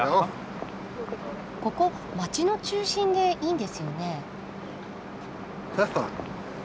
ここ街の中心でいいんですよね？